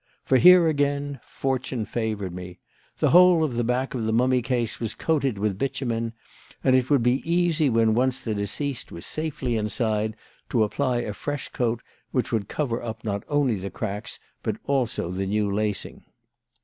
For here again Fortune favoured me. The whole of the back of the mummy case was coated with bitumen, and it would be easy when once the deceased was safely inside to apply a fresh coat, which would cover up not only the cracks but also the new lacing.